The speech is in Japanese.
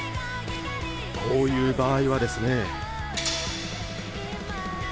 こういう場合はですね。